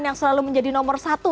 yang selalu menjadi nomor satu